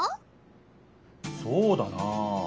そうだなあ。